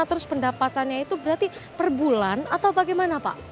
terus pendapatannya itu berarti per bulan atau bagaimana pak